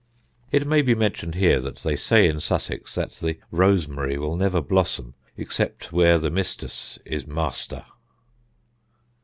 It may be mentioned here that they say in Sussex that the rosemary will never blossom except where "the mistus" is master.